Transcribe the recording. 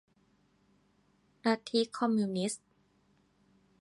ลัทธิคอมมิวนิสต์